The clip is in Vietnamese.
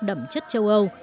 đậm chất châu âu